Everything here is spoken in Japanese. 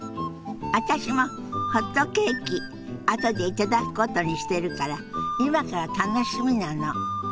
私もホットケーキあとで頂くことにしてるから今から楽しみなの。